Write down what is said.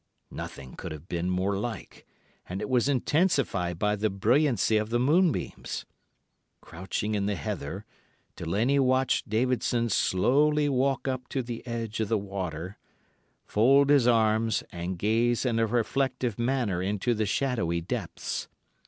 Nothing could have been more like, and it was intensified by the brilliancy of the moonbeams. Crouching in the heather, Delaney watched Davidson slowly walk up to the edge of the water, fold his arms, and gaze in a reflective manner into the shadowy depths.